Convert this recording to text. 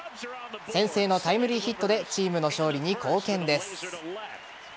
先制のタイムリーヒットでチームの勝利に貢献です。